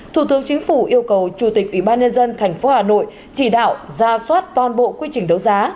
thủ tướng chính phủ yêu cầu chủ tịch ủy ban nhân dân tp hà nội chỉ đạo ra soát toàn bộ quy trình đấu giá